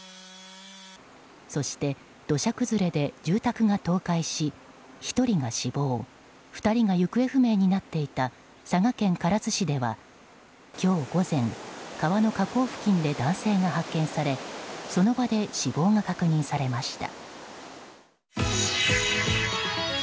そして、土砂崩れで住宅が倒壊し１人が死亡２人が行方不明になっていた佐賀県唐津市では今日午前川の河口付近で男性が発見されその場で死亡が確認されました。